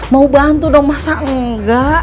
mau bantu dong masa nggak